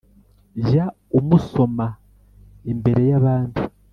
jya umusoma imbere y’abandi